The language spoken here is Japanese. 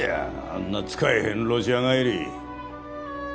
あんな使えへんロシア帰り。